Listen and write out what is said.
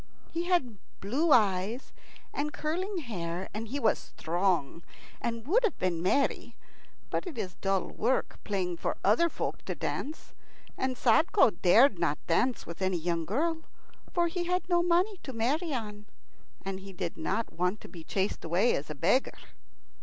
He had blue eyes and curling hair, and he was strong, and would have been merry; but it is dull work playing for other folk to dance, and Sadko dared not dance with any young girl, for he had no money to marry on, and he did not want to be chased away as a beggar.